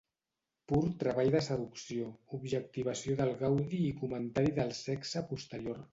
Pur treball de seducció, objectivació del gaudi i comentari de sexe posterior.